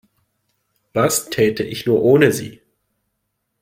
Was täte ich nur ohne Sie?